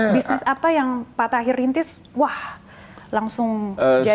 bisnis apa yang pak tahir rintis wah langsung jadi